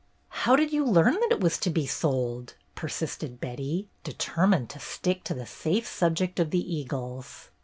"How did you learn that it was to be sold?" persisted Betty, determined to stick to the safe subject of the eagles.